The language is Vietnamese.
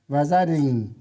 và gia đình